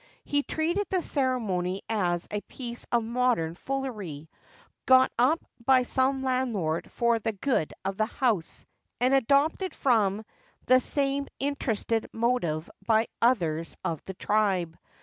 He treated the ceremony as a piece of modern foolery, got up by some landlord for 'the good of the house,' and adopted from the same interested motive by others of the tribe.